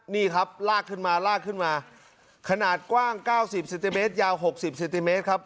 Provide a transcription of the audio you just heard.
นี่ครับลากขึ้นมาลากขึ้นมาขนาดกว้าง๙๐เซนติเมตรยาว๖๐เซนติเมตรครับ